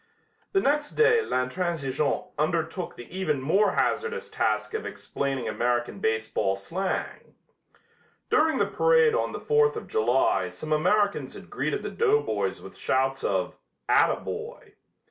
The next day L'Intransigeant undertook the even more hazardous task of explaining American baseball slang. During the parade on the Fourth of July some Americans had greeted the doughboys with shouts of "ataboy."